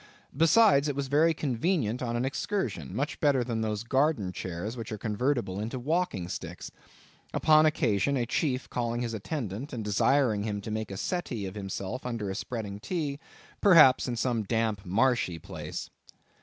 Besides, it was very convenient on an excursion; much better than those garden chairs which are convertible into walking sticks; upon occasion, a chief calling his attendant, and desiring him to make a settee of himself under a spreading tree, perhaps in some damp marshy place.